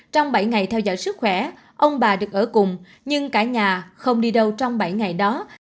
trong bảy ngày theo dõi sức khỏe ông bà được ở cùng nhưng cả nhà không đi đâu trong bảy ngày đó